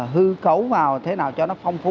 hư cấu vào thế nào cho nó phong phú